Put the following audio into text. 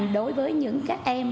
đối với những các em